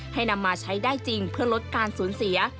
นำมาใช้ได้จริงเพื่อลดการสูญเสีย